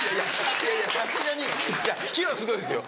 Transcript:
いやいやさすがにいや木はすごいですよ。